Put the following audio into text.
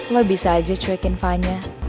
lo bisa aja cuekin fanya